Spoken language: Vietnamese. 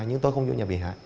nhưng tôi không vô nhà bị hại